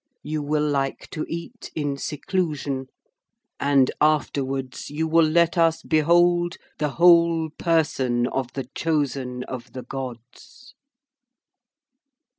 You will like to eat in seclusion. And afterwards you will let us behold the whole person of the Chosen of the Gods.'